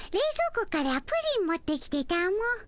庫からプリン持ってきてたも。